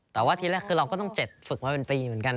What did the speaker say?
แต่ว่าทีแรกคือเราก็ต้อง๗ฝึกมาเป็นปีเหมือนกัน